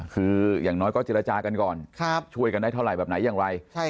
คืออย่างน้อยก็เจรจากันก่อนช่วยกันได้เท่าไหร่แบบไหนอย่างไร